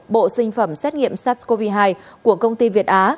bộ sinh phẩm xét nghiệm sars cov hai của công ty việt á